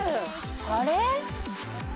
あれ？